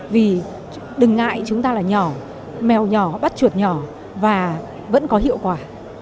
vì đừng ngại chúng ta là nhỏ mèo nhỏ bắt chuột nhỏ và vẫn có hiệu quả